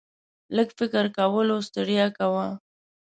لږ فکر کولو ستړی کاوه.